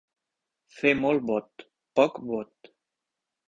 Fer molt bot, poc bot.